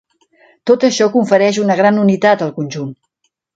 Tot això confereix una gran unitat al conjunt.